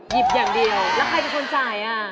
หยิบอย่างเดียวแล้วใครเป็นคนจ่ายอ่ะ